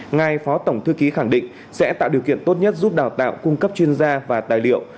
ngài phó tổng thư ký khẳng định sẽ tạo điều kiện tốt nhất giúp đào tạo cung cấp chuyên gia và tài liệu